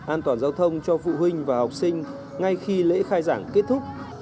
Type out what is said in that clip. an toàn giao thông cho phụ huynh và học sinh ngay khi lễ khai giảng kết thúc